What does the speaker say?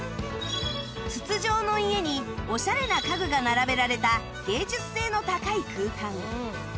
筒状の家にオシャレな家具が並べられた芸術性の高い空間